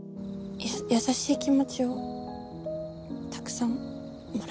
や優しい気持ちをたくさんもらいました。